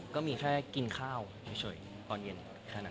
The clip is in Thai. ก็มีแค่กินข้าวเฉยตอนเย็นแค่นั้น